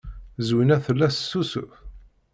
Zwina tella tessusuf.